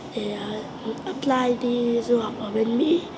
để apply đi du học ở bên mỹ